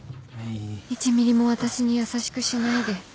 １ミリも私に優しくしないで